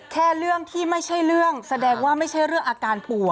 แค่เรื่องที่ไม่ใช่เรื่องแสดงว่าไม่ใช่เรื่องอาการป่วย